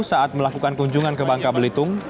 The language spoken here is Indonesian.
saat melakukan kunjungan ke bangka belitung